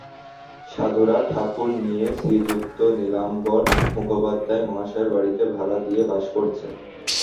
সাধুরা ঠাকুর নিয়ে শ্রীযুক্ত নীলাম্বর মুখোপাধ্যায় মহাশয়ের বাড়ীতে ভাড়া দিয়ে বাস করছেন।